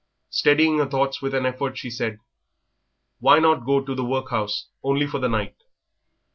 Steadying her thoughts with an effort, she said, "Why not go to the workhouse, only for the night?...